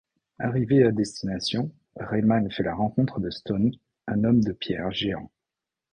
Arrivé à destination, Rayman fait la rencontre de Stone, un homme de pierre géant.